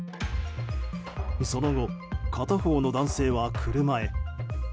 その後、片方の男性は車へ。